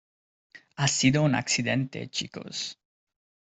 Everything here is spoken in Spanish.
Ha sido un accidente, chicos.